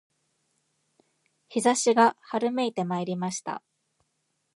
陽射しが春めいてまいりました